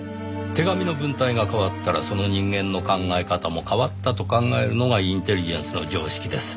手紙の文体が変わったらその人間の考え方も変わったと考えるのがインテリジェンスの常識です。